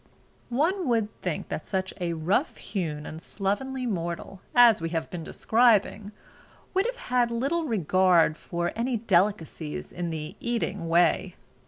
One would think that such a rough hewn and slovenly mortal as we have been describing would have had little regard for any delicacies in the eating way.